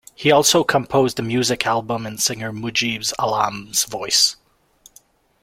He also composed a music album in singer Mujeeb Aalam's voice.